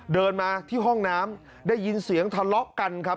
เดินมาที่ห้องน้ำได้ยินเสียงทะเลาะกันครับ